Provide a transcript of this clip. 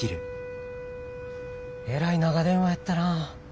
えらい長電話やったな。